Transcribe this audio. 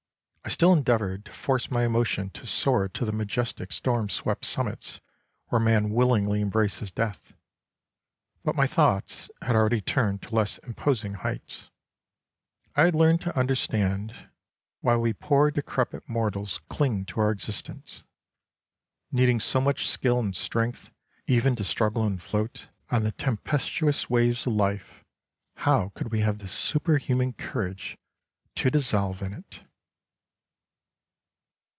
I still endeavored to force my emotion to soar to the majectic storm swept summits where man willingly embraces death, but my thoughts had already turned to less imposing heights. I had learned to understand why we poor decrepit 19 mortals cling to our existence. Needing so much skill and strength even to struggle and float on the tempestuous waves of life, how could we have the superhuman courage to dissolve in it